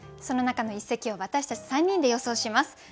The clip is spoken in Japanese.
その中の一席を私たち３人で予想します。